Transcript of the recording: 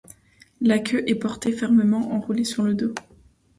La queue est portée fermement enroulée sur le dos.